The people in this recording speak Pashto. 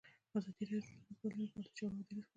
ازادي راډیو د ټولنیز بدلون لپاره د چارواکو دریځ خپور کړی.